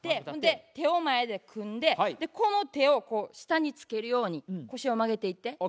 ほんで手を前で組んでこの手をこう下につけるように腰を曲げていって。ＯＫ。